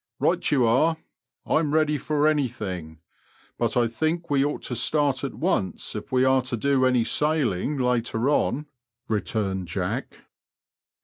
" Bight you are ; Tm ready for anything ; but I think we ought to start at once if we are to do any sailing later on," returned Jack.